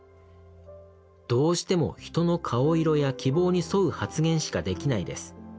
どうしても人の顔色や希望に沿う発言しかできないです。